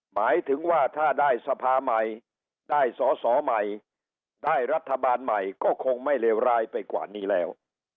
หมายถึงว่าถ้าได้สภาใหม่ได้สอสอใหม่ได้รัฐบาลใหม่ก็คงไม่เลวร้ายไปกว่านี้แล้ว